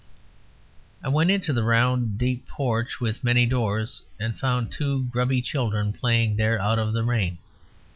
I went into the round, deep porch with many doors and found two grubby children playing there out of the rain.